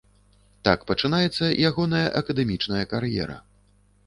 Так пачынаецца ягоная акадэмічная кар'ера.